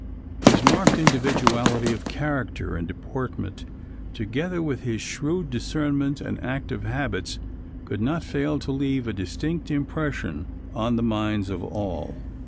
His marked individuality of character and deportment, together with his shrewd discernment and active habits, could not fail to leave a distinct impression on the minds of all.